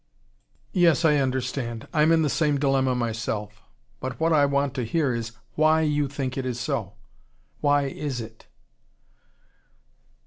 "Yes, I understand. I'm in the same dilemma myself. But what I want to hear, is WHY you think it is so. Why is it?"